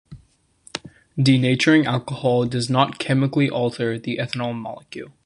Denaturing alcohol does not chemically alter the ethanol molecule.